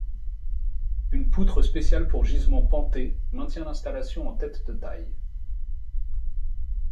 Une poutre spéciale pour gisement penté maintient l'installation en tête de taille.